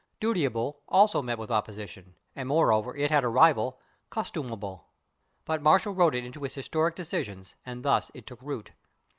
/Dutiable/ also met with opposition, and moreover, it had a rival, /customable/; but Marshall wrote it into his historic decisions, and thus it took root.